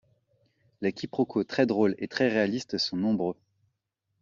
Les quiproquos très drôles et très réalistes sont nombreux.